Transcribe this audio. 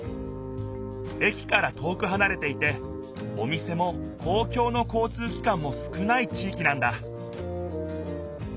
駅から遠くはなれていてお店も公共の交通機関も少ない地いきなんだ